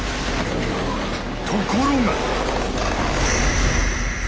ところが。